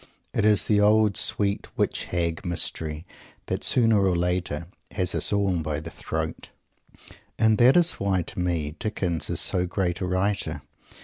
It is the old, sweet Witch Hag, Mystery, that, sooner or later, has us all by the throat! And that is why, to me, Dickens is so great a writer.